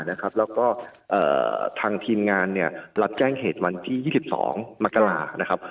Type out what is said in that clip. แล้วก็ทางทีมงานรับแจ้งเหตุวันที่๒๒มกรานะครับ